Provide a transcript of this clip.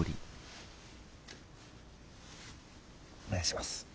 お願いします。